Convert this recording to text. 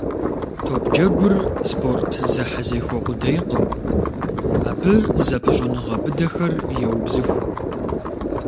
Топджэгур спорт зэхьэзэхуэ къудейкъым, абы зэпыщӏэныгъэ быдэхэр еубзыху.